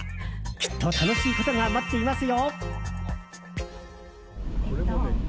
きっと楽しいことが待っていますよ。